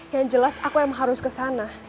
yang jelas aku emang harus kesana